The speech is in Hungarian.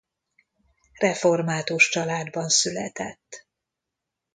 Református családban született.